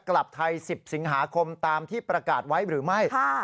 กลับไทย๑๐สิงหาคมตามที่ประกาศไว้หรือไม่